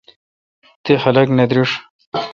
تی خلق نہ درݭ۔